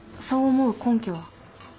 そう思う根拠は？